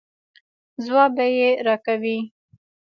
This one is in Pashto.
ځواب به یې راکوئ.